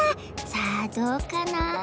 さあどうかな？